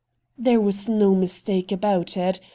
There was no mistake about it.